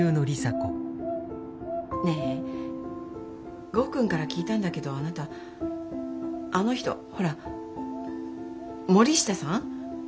ねえ剛くんから聞いたんだけどあなたあの人ほら森下さん？